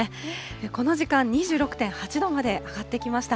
この時間、２６．８度まで上がってきました。